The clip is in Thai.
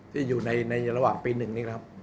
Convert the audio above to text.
ที่อยู่ในระหว่างปี๑นี้นะครับ